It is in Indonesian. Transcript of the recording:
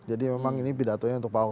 jadi memang ini pidatonya untuk pak ahok